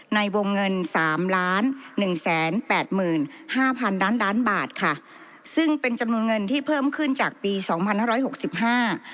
ในวงเงินสามล้านหนึ่งแสนแปดหมื่นห้าพันล้านล้านบาทค่ะซึ่งเป็นจำนวนเงินที่เพิ่มขึ้นจากปีสองพันห้าร้อยหกสิบห้า